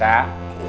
iya pak ustadz